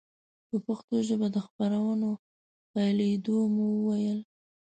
په پښتو ژبه د خپرونو پیلېدو مو وویل.